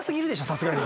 さすがに。